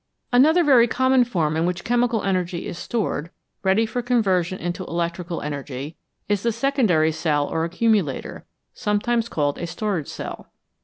Another very common form in which chemical energy is stored, ready for conversion into electrical energy, is the secondary cell or accumulator, sometimes called a storage cell.